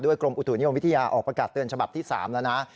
กรมอุตุนิยมวิทยาออกประกาศเตือนฉบับที่๓แล้วนะ